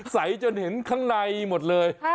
ใส่จนเห็นข้างในหมดเลย